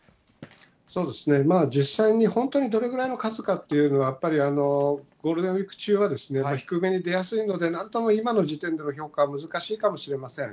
そうですね、実際に本当にどれぐらいの数かっていうのは、やっぱりゴールデンウィーク中は低めに出やすいので、なんとも今の時点での評価は難しいかもしれません。